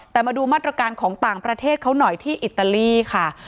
แต่มาดูมาตรการของต่างประเทศเขาหน่อยที่อิตาลีค่ะ